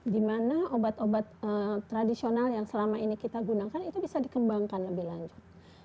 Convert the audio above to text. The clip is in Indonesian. di mana obat obat tradisional yang selama ini kita gunakan itu bisa dikembangkan lebih lanjut